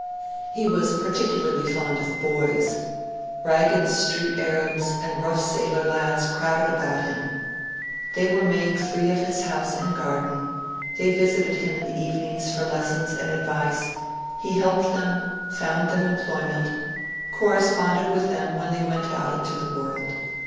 He was particularly fond of boys. Ragged street arabs and rough sailor lads crowded about him. They were made free of his house and garden; they visited him in the evenings for lessons and advice; he helped them, found them employment, corresponded with them when they went out into the world.